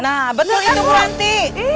nah betul itu bu ranti